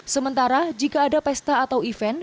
sementara jika ada pesta atau event